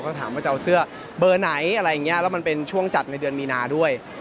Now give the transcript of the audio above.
ก็ถามว่าจะเอาเสื้อเบอร์ไหนอะไรอย่างนี้แล้วมันเป็นช่วงจัดในเดือนมีนาด้วย